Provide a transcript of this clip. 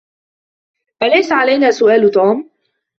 أليس علينا سؤال توم؟